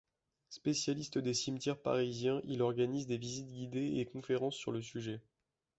Spécialiste des cimetières parisiens, il organise des visites guidées et conférences sur le sujet.